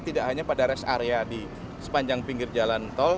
tidak hanya pada rest area di sepanjang pinggir jalan tol